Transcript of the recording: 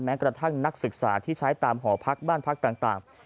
กระทั่งนักศึกษาที่ใช้ตามหอพักบ้านพักต่าง